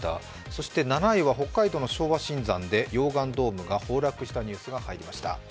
そして７位は北海道の昭和新山で溶岩ドームが崩落したニュースが入りました。